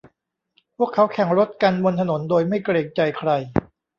พวกเขาแข่งรถกันบนถนนโดยไม่เกรงใจใคร